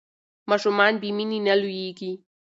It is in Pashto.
ماشومان بې مینې نه لویېږي.